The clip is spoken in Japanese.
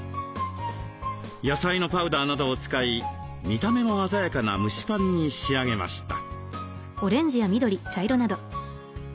野菜のパウダーなどを使い見た目も鮮やかな蒸しパンに仕上げました。